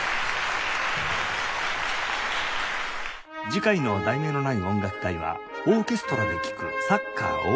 次回の『題名のない音楽会』は「オーケストラで聴くサッカー応援曲の音楽会」